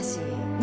何？